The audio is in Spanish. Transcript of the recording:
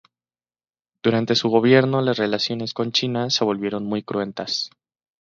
Durante su gobierno, las relaciones con China se volvieron muy cruentas.